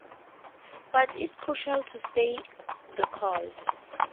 But it's crucial to stay the course.